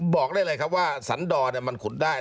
บอกได้เลยครับว่าสันดอร์มันขุดได้